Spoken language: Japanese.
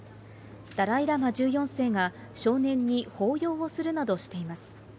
ダライ・ラマ１４世が少年に抱擁をするなどしています。